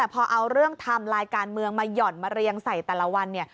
แต่พอเอาเรื่องทำรายการเมืองมาหย่อนมาเรียงใส่แต่ละวัน